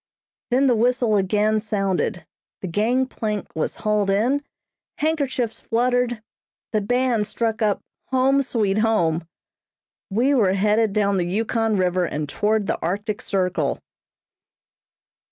Then the whistle again sounded the gangplank was hauled in, handkerchiefs fluttered, the band struck up "Home Sweet Home" we were headed down the Yukon River and toward the Arctic Circle.